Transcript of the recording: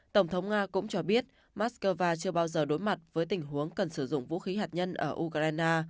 tổng thống nga cũng cho biết moscow chưa bao giờ đối mặt với tình huống cần sử dụng vũ khí hạt nhân ở ukraine